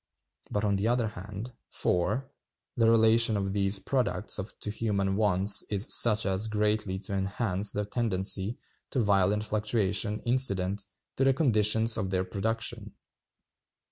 But, on the other hand, (4.) the relation of these products to human wants is such as greatly to enhance that tendency to violent fluctuation incident to the conditions of their production.